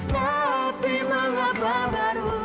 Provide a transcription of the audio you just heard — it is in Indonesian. tapi mengapa baru